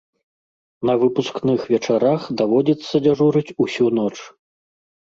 На выпускных вечарах даводзіцца дзяжурыць усю ноч.